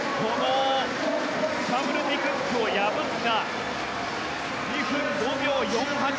スタブルティ・クックを破っての２分５秒４８。